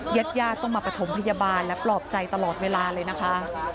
ญาติญาติต้องมาประถมพยาบาลและปลอบใจตลอดเวลาเลยนะคะ